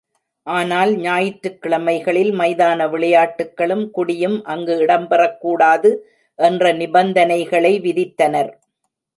ஆனால் ஞாயிற்றுக்கிழமைகளில் மைதான விளையாட்டுக்களும், குடியும் அங்கு இடம் பெறக் கூடாது என்ற நிபந்தனைகளை விதித்தனர்.